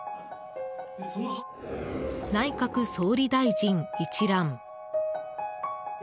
内閣総理大臣一覧。